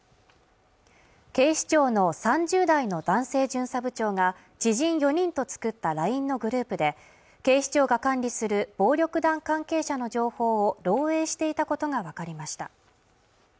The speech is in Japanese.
警視庁の３０代の男性巡査部長が知人４人と作ったＬＩＮＥのグループで警視庁が管理する暴力団関係者の情報を漏洩していたことが分かりました